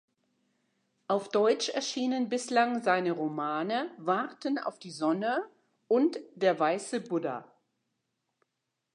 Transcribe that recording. Auf deutsch erschienen bislang seine Romane „Warten auf die Sonne“ und „Der weiße Buddha“.